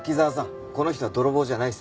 この人は泥棒じゃないですよ。